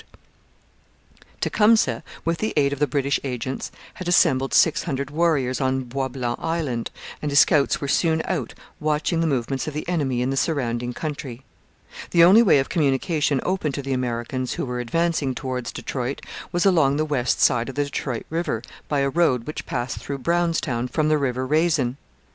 Tecumseh, with the aid of the British agents, had assembled six hundred warriors on Bois Blanc Island, and his scouts were soon out watching the movements of the enemy in the surrounding country. The only way of communication open to the Americans who were advancing towards Detroit was along the west side of the Detroit river by a road which passed through Brownstown from the river Raisin.